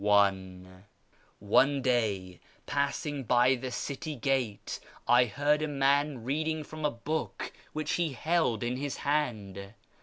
•" One day, passing by the city gate, I heard a man reading from a book which he held in his hand.